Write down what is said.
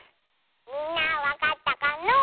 みんなはわかったかのう？